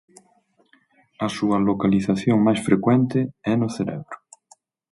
A súa localización máis frecuente é no cerebro.